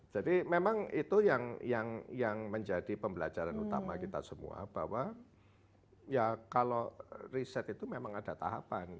jadi memang itu yang menjadi pembelajaran utama kita semua bahwa ya kalau riset itu memang ada tahapan